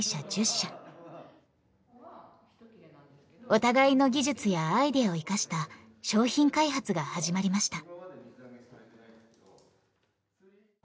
お互いの技術やアイデアを生かした商品開発が始まりました。